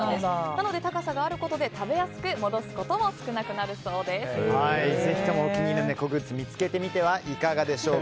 なので高さがあることで食べやすく、戻すこともぜひともお気に入りの猫グッズ見つけてみてはいかがでしょう。